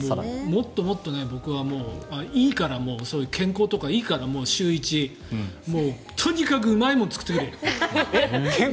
もっともっと僕はそういう健康とかいいから週１、とにかくうまいものを作ってくれと。